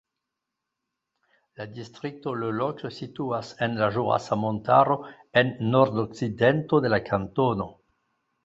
La distrikto Le Locle situas en la Ĵurasa Montaro en nordokcidento de la kantono.